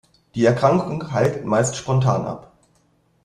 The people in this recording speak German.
Die Erkrankung heilt meist spontan ab.